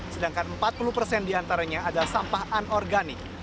sedangkan empat puluh persen diantaranya adalah sampah anorganik